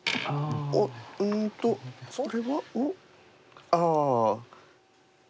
おっうんとこれは？ああ。